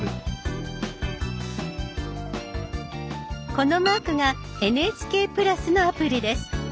このマークが「ＮＨＫプラス」のアプリです。